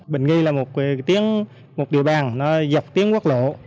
bình nghi là một điều bàn dọc tiếng quốc lộ